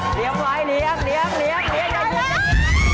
เหลียมไว้เหลียมเหลียมเหลียมเหลียมใจเย็น